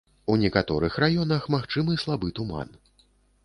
У некаторых раёнах магчымы слабы туман.